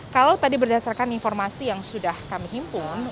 kalau tadi berdasarkan informasi yang sudah kami himpun